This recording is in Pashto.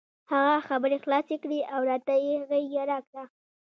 هغه خبرې خلاصې کړې او راته یې غېږه راکړه.